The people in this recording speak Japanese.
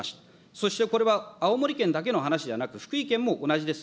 そしてこれは青森県だけの話ではなく、福井県も同じです。